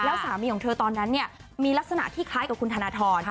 แล้วสามีของเธอตอนนั้นเนี่ยมีลักษณะที่คล้ายกับคุณธนทร